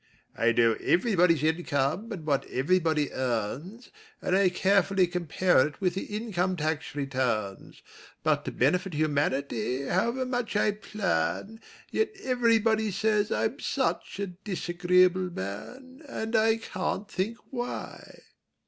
I know everybody's income and what everybody earns, And I carefully compare it with the income tax returns; But to benefit humanity, however much I plan, Yet everybody says I'm such a disagreeable man! And I can't think why!